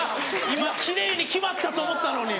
今奇麗に決まったと思ったのに。